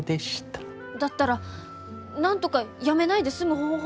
だったらなんとか辞めないで済む方法を。